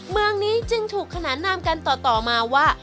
เมืองนี้จึงถูกขนานนามกันต่อมาว่า